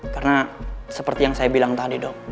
karena seperti yang saya bilang tadi dok